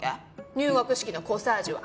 入学式のコサージュは？